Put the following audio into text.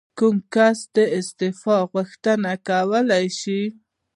کوم کس د استعفا غوښتنه کولی شي؟